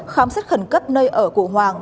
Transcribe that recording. khám xét khẩn cấp nơi ở của hoàng